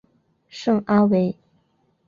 圣阿维。